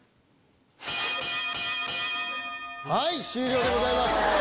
はい終了でございます。